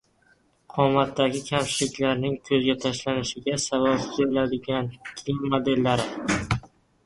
Qomatdagi kamchiliklarning ko‘zga tashlanishiga sabab bo‘ladigan kiyim modellari